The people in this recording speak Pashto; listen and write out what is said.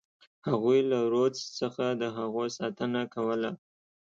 هغوی له رودز څخه د هغو ساتنه کوله.